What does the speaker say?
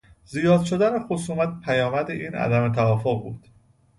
زیاد شدن خصومت پیامد این عدم توافق بود.